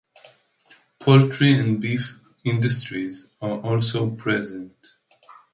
Poultry and beef industries are also present.